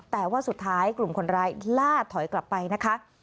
แต่ว่าสุดท้ายกลุ่มคนร้ายล่าถอยกลับไปนะคะ